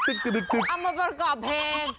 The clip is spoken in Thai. เอามาประกอบเพลง